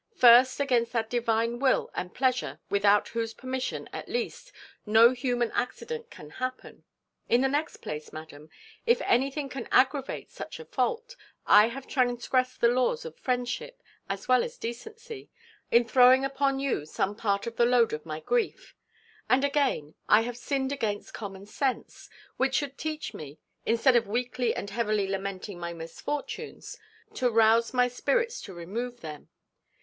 First, against that Divine will and pleasure without whose permission, at least, no human accident can happen; in the next place, madam, if anything can aggravate such a fault, I have transgressed the laws of friendship as well as decency, in throwing upon you some part of the load of my grief; and again, I have sinned against common sense, which should teach me, instead of weakly and heavily lamenting my misfortunes, to rouse all my spirits to remove them.